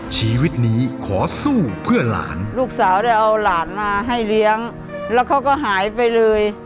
ชีวิตนี้ขอสู้เพื่อหลานลูกสาวได้เอาหลานมาให้เลี้ยงแล้วเขาก็หายไปเลย